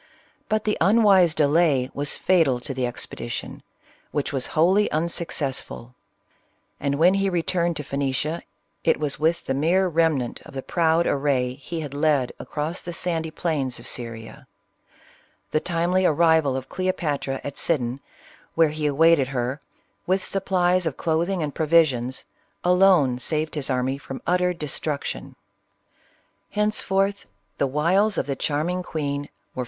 But the unwise delay was fatal to the expedition, which was wholly unsuccessful ; and when he returned to Phoenicia, it was with the mere remnant of the proud array he had led across the sandy plains of Syria. The timely arrival of Cleopatra at Sidon, where he awaited her, with supplies of clothing and provisions, alone saved his army from utter destruction. Henceforth the wiles of the charming queen were CLEOPATRA.